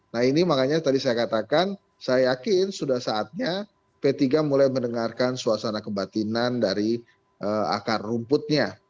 nah ini makanya tadi saya katakan saya yakin sudah saatnya p tiga mulai mendengarkan suasana kebatinan dari akar rumputnya